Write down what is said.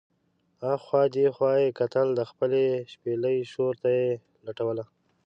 اخوا دې خوا یې کتل، د خپلې شپېلۍ شور ته یې لټوله.